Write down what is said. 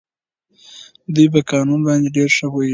دوی په قانون باندې ډېر ښه پوهېږي.